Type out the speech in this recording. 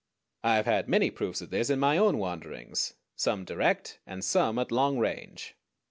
I have had many proofs of this in my own wanderings; some direct, and some at long range.